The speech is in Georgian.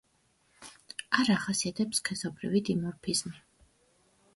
არ ახასიათებთ სქესობრივი დიმორფიზმი.